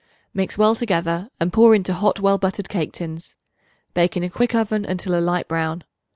Mix well together and pour into hot well buttered cake tins. Bake in a quick oven until a light brown.